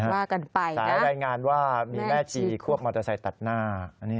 ว่ากันไปสายรายงานว่ามีแม่ชีควบมอเตอร์ไซค์ตัดหน้า